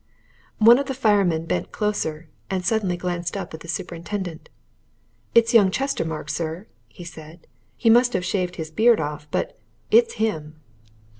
One of the firemen bent closer, and suddenly glanced up at the superintendent. "It's young Chestermarke, sir," he said. "He must have shaved his beard off. But it's him!"